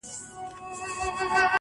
• زه به د څو شېبو لپاره نور.